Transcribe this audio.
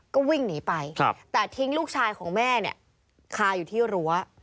ก็วิ่งหนีไปแต่ทิ้งลูกชายของแม่เนี่ยคาอยู่ที่รั้ว